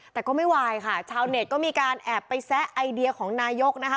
แต่ก็ไม่วายค่ะชาวเน็ตก็มีการแอบไปแซะไอเดียของนายกนะคะ